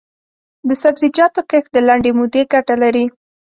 د سبزیجاتو کښت د لنډې مودې ګټه لري.